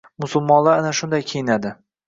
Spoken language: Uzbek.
Musulmonlar ana shunday kiyinadi.